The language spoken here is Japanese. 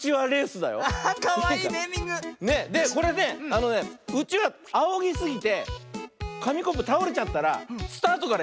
あのねうちわあおぎすぎてかみコップたおれちゃったらスタートからやりなおしね。